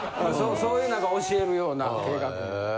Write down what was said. そういう何か教えるような計画も。へ。